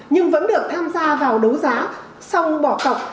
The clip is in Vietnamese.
nhưng vẫn được tham gia vào đấu giá xong bỏ cọc